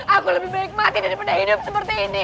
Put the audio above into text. aku lebih baik mati daripada hidup seperti ini